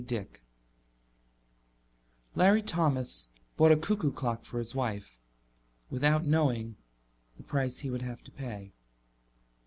Dick_ Larry Thomas bought a cuckoo clock for his wife without knowing the price he would have to pay.